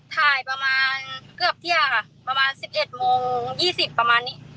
ถ่ายประมาณเกือบเที่ยงค่ะประมาณ๑๑โมง๒๐ประมาณนี้